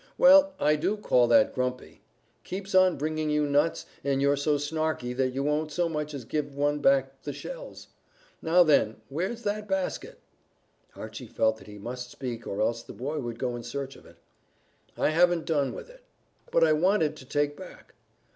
"Well, I do call that grumpy. Keeps on bringing you nuts, and you're so snarky that you won't so much as give one back the shells. Now, then, where's that basket?" Archy felt that he must speak, or else the boy would go in search of it. "I haven't done with it." "But I want it to take back."